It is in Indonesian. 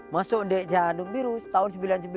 masuk di jaduk biru tahun sembilan puluh sembilan